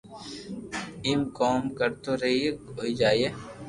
ايم ڪوم ڪرتو رھييي ھوئي جائي